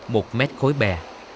một mét khối bè